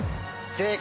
正解！